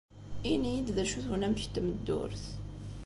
Ini-iyi-d d acu-t unamek n tmeddurt.